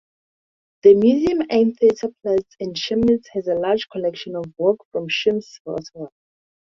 The Museum am Theaterplatz in Chemnitz has a large collection of work from Schmidt-Rottluff.